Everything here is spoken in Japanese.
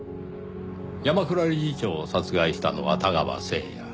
山倉理事長を殺害したのは太川誠也。